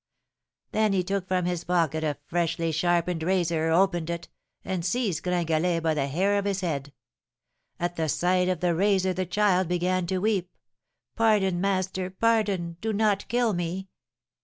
Then he took from his pocket a freshly sharpened razor, opened it, and seized Gringalet by the hair of his head. At the sight of the razor the child began to weep. 'Pardon, master! Pardon! Do not kill me!'